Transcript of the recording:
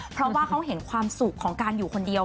เพราะว่าเขาเห็นความสุขของการอยู่คนเดียว